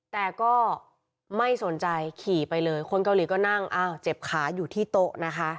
แต่ก็ไม่สนใจขี่ไปเลยคนเกาหลีก็นั่งอ้าวเจ็บขาอยู่ที่โต๊ะนะคะ